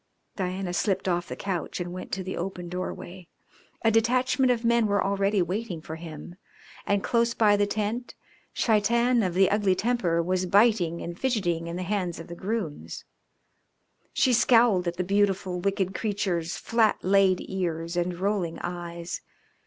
Diana slipped off the couch and went to the open doorway. A detachment of men were already waiting for him, and, close by the tent, Shaitan of the ugly temper was biting and fidgeting in the hands of the grooms. She scowled at the beautiful, wicked creature's flat laid ears and rolling eyes.